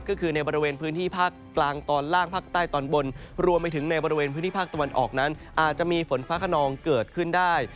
ก็คือในบริเวณพื้นที่ภาคกลางตอนล่างภาคใต้ตอนบนรวมไปถึงในบริเวณพื้นที่ภาคตะวันออกนั้นอาจจะมีฝนฟ้าขนองเกิดขึ้นได้